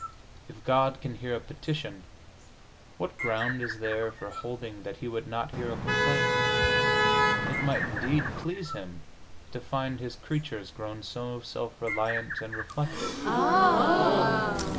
If God can hear a petition, what ground is there for holding that He would not hear a complaint? It might, indeed, please Him to find His creatures grown so self reliant and reflective.